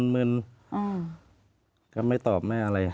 มันไม่ตอบแม่อะไร